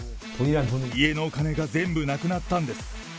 家のお金が全部なくなったんです。